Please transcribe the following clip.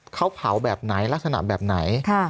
เขาเผาแบบไหนลักษณะแบบไหน